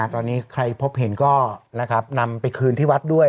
ตอนนี้ใครพบเห็นก็นำไปคืนที่วัดด้วย